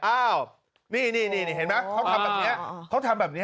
อ้าวนี่เห็นไหมเขาทำแบบนี้เขาทำแบบนี้